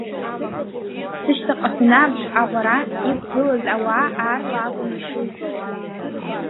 Сышьҭахьҟа санааԥш, аҟәара иқәгылаз ауаа аарла акәын ишызбауаз.